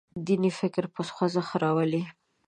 دیني فکر په خوځښت راولي.